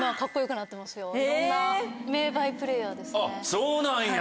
そうなんや。